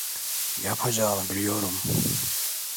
Yapacağını biliyorum.